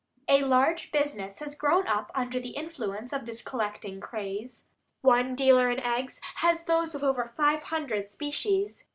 A large business has grown up under the influence of this collecting craze. One dealer in eggs has those of over five hundred species.